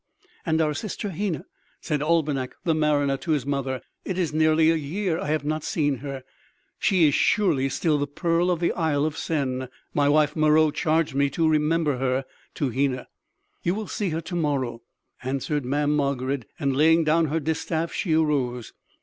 "And our sister Hena," said Albinik the mariner to his mother. "It is nearly a year I have not seen her.... She is surely still the pearl of the Isle of Sen? My wife Meroë charged me to remember her to Hena." "You will see her to morrow," answered Mamm' Margarid; and laying down her distaff she arose.